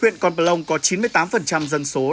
huyện con bà long có chín mươi tám dân số